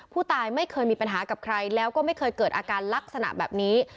ผู้ตายไม่เคยมีปัญหากับใครแล้วก็ไม่เคยเกิดอาการลักษณะแบบนี้